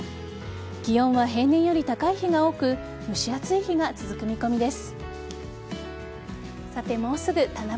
気温は平年より高い日が多く蒸し暑い日が続く見込みです。